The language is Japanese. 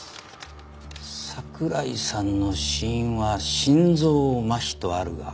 桜井さんの死因は心臓麻痺とあるが。